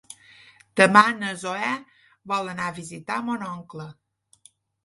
Demà na Zoè vol anar a visitar mon oncle.